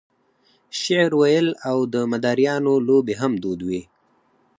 شعر ویل او د مداریانو لوبې هم دود وې.